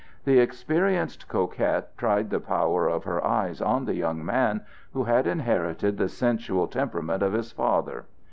The experienced coquette tried the power of her eyes on the young man, who had inherited the sensual temperament of his father.